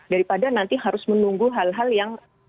daripada nanti harus menunggu hal hal yang